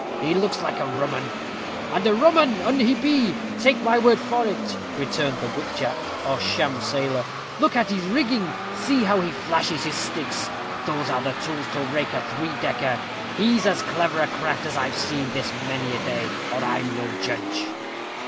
He looks like a rum 'un." "And a rum 'un he be, take my word for it," returned the whip jack, or sham sailor. "Look at his rigging see how he flashes his sticks those are the tools to rake a three decker. He's as clever a craft as I've seen this many a day, or I'm no judge."